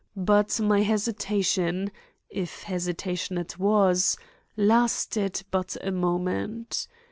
But my hesitation, if hesitation it was, lasted but a moment.